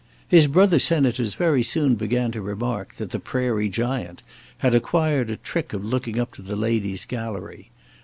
His brother senators very soon began to remark that the Prairie Giant had acquired a trick of looking up to the ladies' gallery.